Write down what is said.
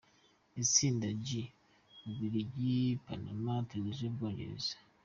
Itsinda G: U Bubiligi, Panama, Tunisie, u Bwongereza.